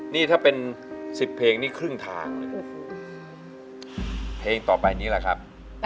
นี่ถ้าเป็น๑๐เพลงนี่ครึ่งทางเลยโอ้โหเพลงต่อไปนี้แหละครับ